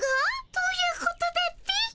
どういうことだっピ？